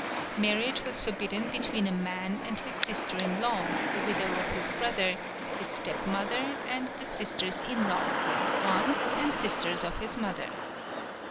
Marriage was forbidden between a man and his sister in law, the widow of his brother, his step mother, and the sisters in law, aunts, and sisters of his mother.